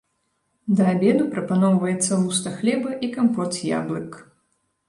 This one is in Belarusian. Да абеду прапаноўваецца луста хлеба і кампот з яблык.